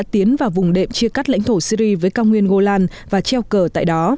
và đã tiến vào vùng đệm chia cắt lãnh thổ syri với cao nguyên golang và treo cờ tại đó